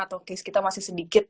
atau case kita masih sedikit